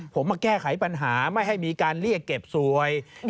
ผมมาแก้ไขปัญหาไม่ให้มีการเรียกเก็บสวย